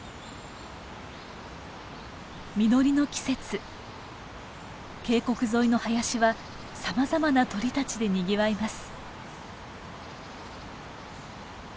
実りの季節渓谷沿いの林はさまざまな鳥たちでにぎわいます。